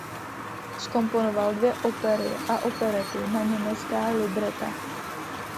Zkomponoval dvě opery a operetu na německá libreta.